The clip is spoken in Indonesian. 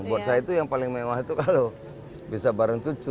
buat saya itu yang paling mewah itu kalau bisa bareng cucu